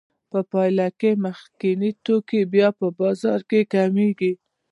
په پایله کې مخکیني توکي بیا په بازار کې کمېږي